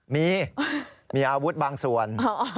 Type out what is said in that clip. มีมีอาวุธบางส่วน